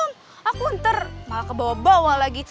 om aku ntar malah ke bawah bawah lagi